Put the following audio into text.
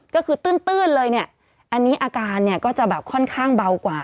ก็คือตื้นเลยเนี่ยอันนี้อาการเนี่ยก็จะแบบค่อนข้างเบากว่า